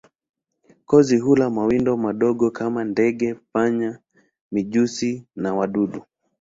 Kozi hula mawindo madogo kama ndege, panya, mijusi na wadudu.